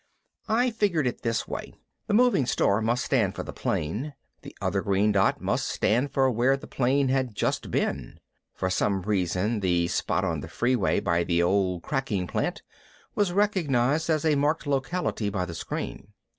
I figured it this way: the moving star must stand for the plane, the other green dot must stand for where the plane had just been. For some reason the spot on the freeway by the old cracking plant was recognized as a marked locality by the screen.